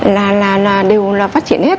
là đều phát triển hết